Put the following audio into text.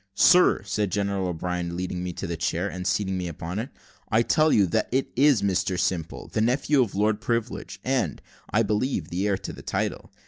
"Sir," said General O'Brien, leading me to the chair, and seating me upon it, "I tell you that is Mr Simple, the nephew of Lord Privilege; and, I believe the heir to the title.